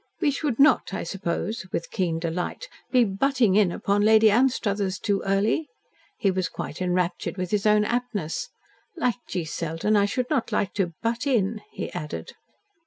We should not, I suppose," with keen delight, "be 'butting in' upon Lady Anstruthers too early?" He was quite enraptured with his own aptness. "Like G. Selden, I should not like to 'butt in,'" he added.